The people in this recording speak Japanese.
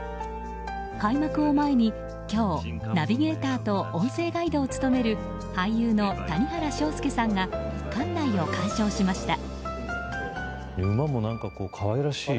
開幕を前に今日ナビゲーターと音声ガイドを務める俳優の谷原章介さんが館内を鑑賞しました。